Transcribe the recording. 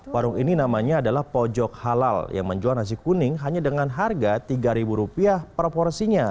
warung ini namanya adalah pojok halal yang menjual nasi kuning hanya dengan harga rp tiga proporsinya